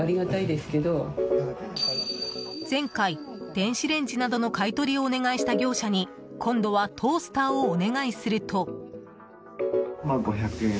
前回、電子レンジなどの買い取りをお願いした業者に今度はトースターをお願いすると。